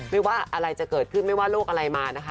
ไม่ว่าอะไรจะเกิดขึ้นไม่ว่าโรคอะไรมานะคะ